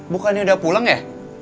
bukannya udah pulang ya